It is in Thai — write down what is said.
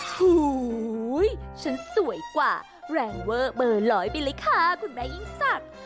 โหฉันสวยกว่าแรงเวอร์เบอร์ร้อยไปเลยค่ะคุณแม่ยิ่งศักดิ์